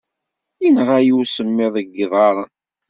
Yenɣa-iyi usemmiḍ deg yiḍarren.